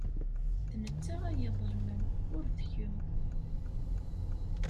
D netta ay iḍelmen, ur d kemm.